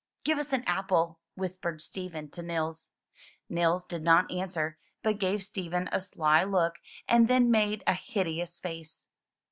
"Give us an apple," whispered Stephen to Nils. Nils did not answer, but gave Stephen a sly look and then made a hideous face.